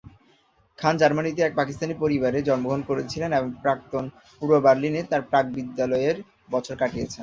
খান জার্মানিতে এক পাকিস্তানি পরিবারে জন্মগ্রহণ করেছিলেন এবং প্রাক্তন পূর্ব বার্লিনে তাঁর প্রাক বিদ্যালয়ের বছর কাটিয়েছেন।